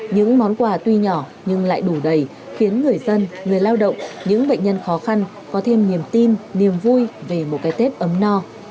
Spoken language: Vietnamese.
những món quà tuy nhỏ nhưng lại đủ đầy khiến người dân người lao động những bệnh nhân khó khăn có thêm niềm tin niềm vui về một cái tết ấm no